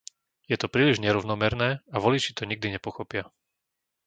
Je to príliš nerovnomerné a voliči to nikdy nepochopia.